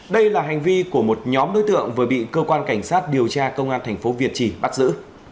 đây là hành vi của một nhóm đối tượng vừa bị cơ quan cảnh sát điều tra công an tp việt chỉ bắt giữ